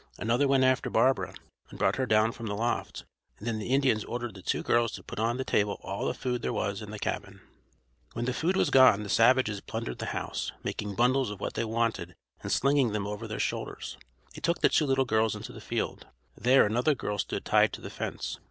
Another went after Barbara and brought her down from the loft, and then the Indians ordered the two girls to put on the table all the food there was in the cabin. When the food was gone the savages plundered the house, making bundles of what they wanted and slinging them over their shoulders. They took the two little girls into the field. There another girl stood tied to the fence.